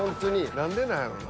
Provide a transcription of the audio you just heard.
何でなんやろな。